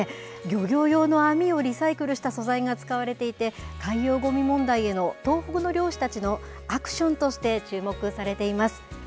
漁業用の網をリサイクルした素材が使われていて、海洋ごみ問題への東北の漁師たちのアクションとして注目されています。